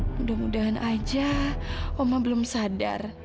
mudah mudahan aja oma belum sadar